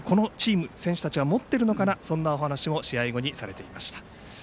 何か、このチーム、選手たちは持っているのかなというお話を試合後にされていました。